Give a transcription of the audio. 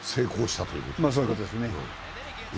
そういうことですね。